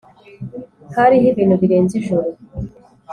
hariho ibintu birenze ijuru